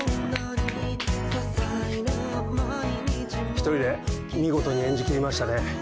一人で見事に演じ切りましたね。